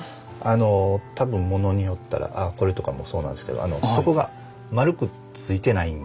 多分物によったらこれとかもそうなんですけど底が丸くついてないんですよ。